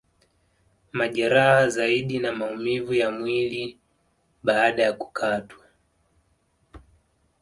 Majeraha zaidi na maumivu ya mwii baada ya kukatwa